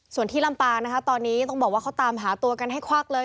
ส่วนที่ลำปางนะคะตอนนี้ต้องบอกว่าเขาตามหาตัวกันให้ควักเลย